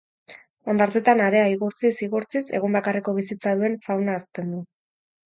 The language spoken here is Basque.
Hondartzetan harea igurtziz-igurtziz egun bakarreko bizitza duen fauna hazten du.